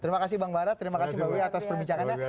terima kasih bang bara terima kasih bawi atas perbincangannya